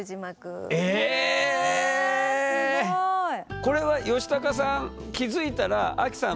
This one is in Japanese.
これはヨシタカさん気付いたらアキさん